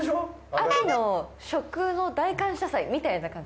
秋の食の大感謝祭みたいな感じ。